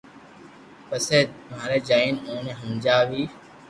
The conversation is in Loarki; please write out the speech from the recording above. پپسي ٻاري جائين اوني ھمجاوئي